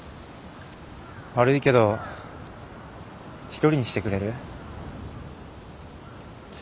悪いけど一人にしてくれる？